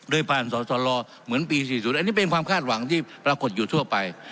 โดยผ่านสอสลเหมือนปี๔๐อันนี้เป็นความคาดหวังที่ปรากฏอยู่ทั่วไป